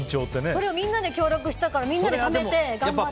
それをみんなで協力してみんなでためて頑張るって。